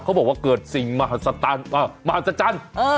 บอกว่าเกิดสิ่งมหัศจรรย์